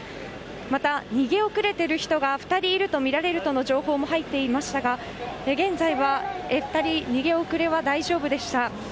また逃げ遅れている人が２人いるとみられるとの情報も入っていましたが現在は２人、逃げ遅れは大丈夫でした。